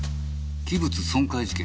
器物損壊事件。